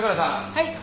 はい。